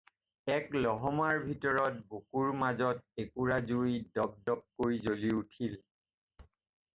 এক লহমাৰ ভিতৰত বুকুৰ মাজত একুৰা জুই দপদপকৈ জ্বলি উঠিল।